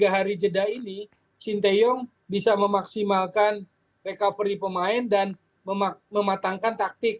tiga hari jeda ini sinteyong bisa memaksimalkan recovery pemain dan mematangkan taktik